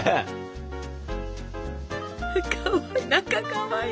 かわいい。